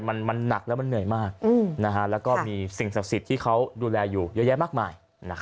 มันหนักแล้วมันเหนื่อยมากแล้วก็มีสิ่งศักดิ์สิทธิ์ที่เขาดูแลอยู่เยอะแยะมากมาย